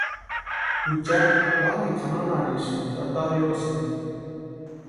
Jucha kanikwa janhanharhisïnka tata riosïni.